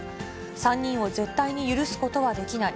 ３人を絶対に許すことはできない。